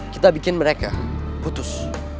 kita bikin mereka putus